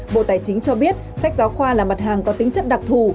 bộ tài chính cho biết sách giáo khoa là mặt hàng có tính chất đặc thù